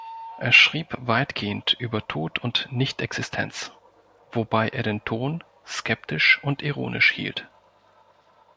Er schrieb weitgehend über Tod und Nichtexistenz, wobei er den Ton skeptisch und ironisch hielt.